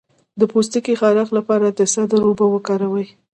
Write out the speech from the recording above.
د پوستکي خارښ لپاره د سدر اوبه وکاروئ